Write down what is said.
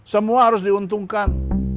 semua harus diuntungkan